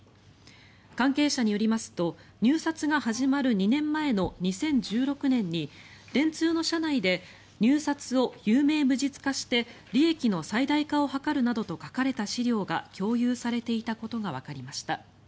関係者によりますと入札が始まる２年前の２０１６年に電通の社内で入札を有名無実化して利益の最大化を図るなどと書かれた資料が共有されていたことがわかりました。